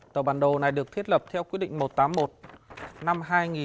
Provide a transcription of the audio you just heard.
tờ bản đồ này được thiết lập theo quyết định một trăm tám mươi một năm hai nghìn